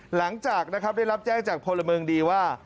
หลังจากนะครับได้รับแจ้งจากพลเมืองดีว่า